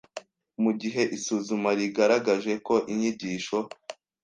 Mu gihe isuzuma rigaragaje ko inyigisho